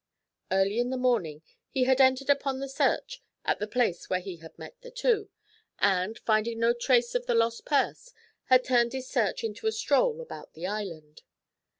Early in the morning he had entered upon the search at the place where he had met the two, and, finding no trace of the lost purse, had turned his search into a stroll about the island.